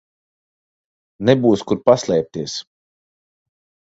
Nebūs kur paslēpties.